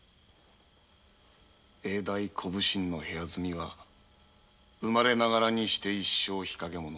永代小普請の部屋住みは生まれながらに一生日陰者。